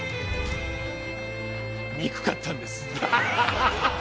憎かったんです。